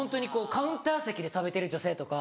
カウンター席で食べてる女性とか。